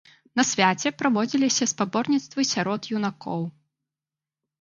На свяце праводзіліся спаборніцтвы сярод юнакоў.